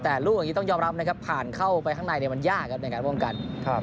แต่ลูกอย่างนี้ต้องยอมรับนะครับผ่านเข้าไปข้างในมันยากครับในการป้องกัน